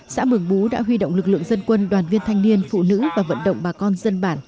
xã mường bú đã huy động lực lượng dân quân đoàn viên thanh niên phụ nữ và vận động bà con dân bản